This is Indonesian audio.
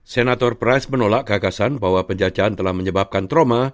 senator price menolak gagasan bahwa penjajahan telah menyebabkan trauma